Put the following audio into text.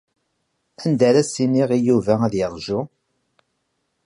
Anda ara as-iniɣ i Yuba ad yeṛju?